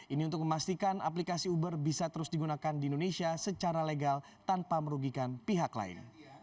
ini untuk memastikan aplikasi uber bisa terus digunakan di indonesia secara legal tanpa merugikan pihak lain